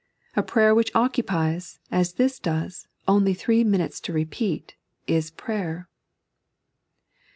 A prayer which occupies, as this does, only three minutes to repeat, is prayer.